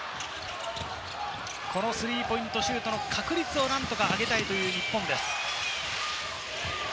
スリーポイントシュートの確率を何とか上げたい日本です。